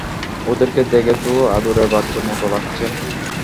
ওদেরকে দেখে তো আদুরে বাচ্চার মতো লাগছে।